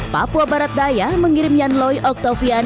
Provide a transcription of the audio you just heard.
papua barat daya mengirim yanloi oktavian